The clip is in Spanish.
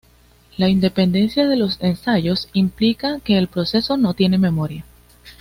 La independencia de los ensayos implica que el proceso no tiene memoria.